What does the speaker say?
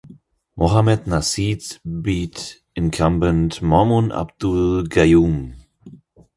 Mohamed Nasheed beat incumbent Maumoon Abdul Gayoom.